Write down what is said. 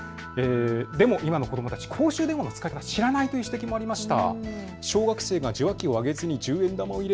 でも今の子どもたち、公衆電話の使い方、知らないという指摘もありました。